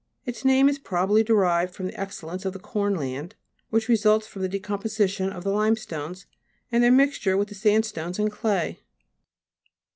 Its name is probably derived from the excellence of the corn land, which results from the decomposition of the limestones, and their mixture with the sandstones and clay.